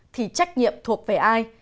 thì trách nhiệm thuộc về ai